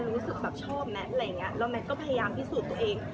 แล้วแมทก็พยายามพิสูจน์ตัวเอง